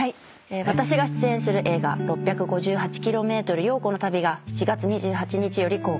私が出演する映画『６５８ｋｍ、陽子の旅』が７月２８日より公開します。